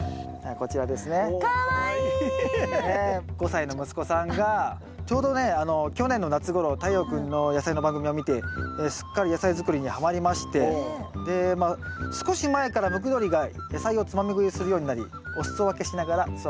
５歳の息子さんがちょうどね去年の夏頃太陽君の野菜の番組を見てすっかり野菜作りにはまりまして少し前からムクドリが野菜をつまみぐいするようになりお裾分けしながら育ててますと。